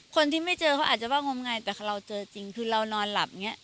คนที่ไม่เจอเขาอาจจะว่างงมงายแต่เราเจอจริงคือนอนหลับ